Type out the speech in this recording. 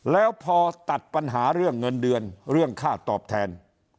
แล้วพอตัดปัญหาเรื่องเงินเดือนเรื่องค่าตอบแทน